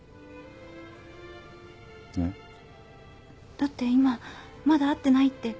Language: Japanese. えっ？だって今まだ会ってないって。